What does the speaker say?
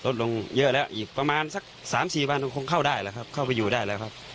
ลงเยอะแล้วอีกประมาณสักสามสี่วันคงเข้าได้แล้วครับเข้าไปอยู่ได้แล้วครับ